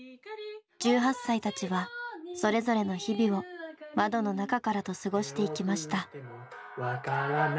１８歳たちはそれぞれの日々を「窓の中から」と過ごしていきました。